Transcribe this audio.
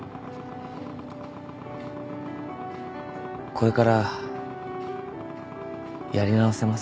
これからやり直せますよ。